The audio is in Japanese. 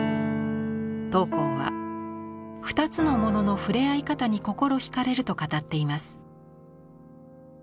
桃紅は「二つのもののふれあい方に心惹かれる」と語っています。